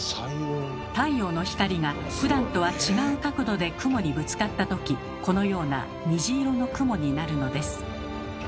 太陽の光がふだんとは違う角度で雲にぶつかったときこのような虹色の雲になるのです。